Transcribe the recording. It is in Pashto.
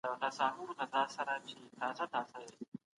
پانګه وال ښکېلاک باید ختم سي.